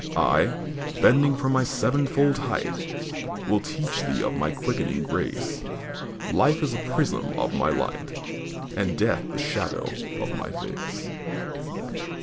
I, bending from my sevenfold height, Will teach thee of My quickening grace, Life is a prism of My light, And Death the shadow of My face."